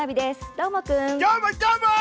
どーもくん！